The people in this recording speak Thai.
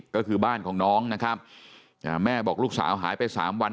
ก็คือบ้านของน้องนะครับแม่บอกลูกสาวหายไปสามวัน